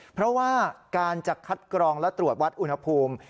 เพราะว่าการจะคัดกรองและตรวจวัดอุณหภูมิ